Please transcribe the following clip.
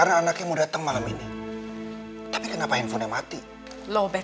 sensor yang terkoneksi tidak dapat dietabli saat ini